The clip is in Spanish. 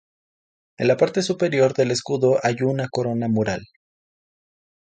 En la parte superior del escudo hay una corona mural.